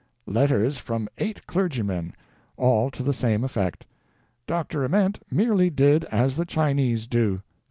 Letters from eight clergymen — all to the same effect: Dr. Ament merely did as the Chinese do.